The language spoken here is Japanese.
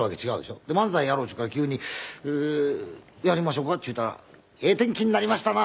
「漫才やろう」って言うから急に「やりましょうか」って言ったら「ええ天気になりましたな」